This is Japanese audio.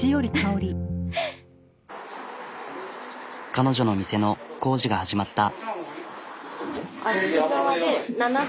彼女の店の工事が始まった。